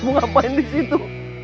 kamu ngapain disitu